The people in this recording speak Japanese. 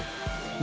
何？